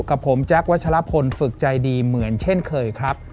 กับผมแจ๊ควัชลพลฝึกใจดีเหมือนเช่นเคยครับ